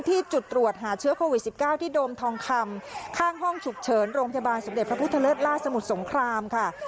ที่จุดตรวจหาเชื้อโควิด๑๙ที่โดมทองคำข้างห้องฉุกเฉินโรงพยาบาลสมเด็จพระพุทธเลิศล่าสมุทรสงครามค่ะ